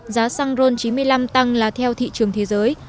giá xăng ron chín mươi năm tăng là theo thị trường thế giới